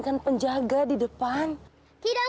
kan pengemis itu kasian